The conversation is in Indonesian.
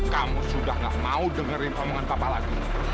kamu sudah nggak mau dengerin omongan bapak lagi